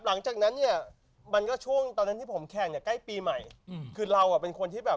หลังจากนั้นเนี่ยมันก็ช่วงตอนนั้นที่ผมแข่งเนี่ยใกล้ปีใหม่อืมคือเราอ่ะเป็นคนที่แบบ